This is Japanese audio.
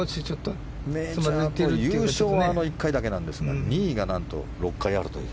優勝は１回だけですが２位が６回あるという。